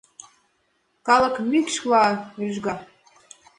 Калык мӱкшла рӱжга.